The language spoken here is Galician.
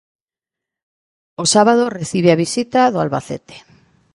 O sábado recibe a visita do Albacete.